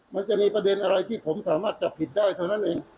มันจะมีประเด็นอะไรที่ผมสามารถจับผิดได้เท่านั้นเอง